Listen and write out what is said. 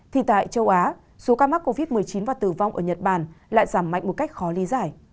thì tại châu á số ca mắc covid một mươi chín và tử vong ở nhật bản lại giảm mạnh một cách khó lý giải